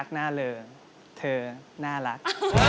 หน้าเริงเธอน่ารัก